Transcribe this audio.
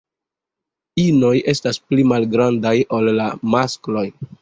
Inoj estas pli malgrandaj ol la maskloj.